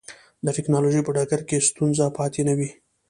د ټکنالوجۍ په ډګر کې ستونزه پاتې نه وي.